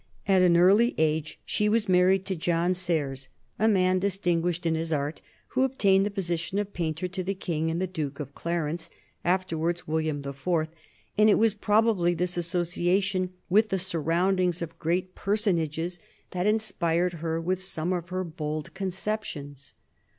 At an early age she was married to John Serres, a man distinguished in his art, who obtained the position of painter to the King and the Duke of Clarence, afterwards William the Fourth, and it was probably this association with the surroundings of greater personages that inspired her with some of her bold conceptions.